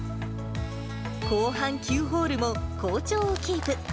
後半９ホールも好調をキープ。